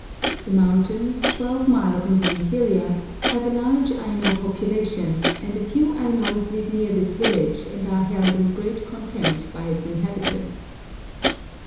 The mountains, twelve miles in the interior, have a large Aino population, and a few Ainos live near this village and are held in great contempt by its inhabitants.